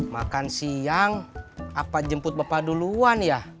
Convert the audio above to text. makan siang apa jemput bapak duluan ya